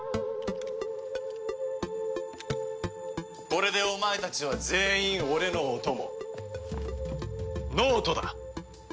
これでお前たちは全員俺のお供脳人だ！